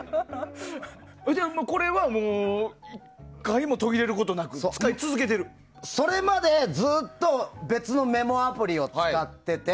じゃあ、これは１回も途切れることなくそれまで、ずっと別のメモアプリを使ってて。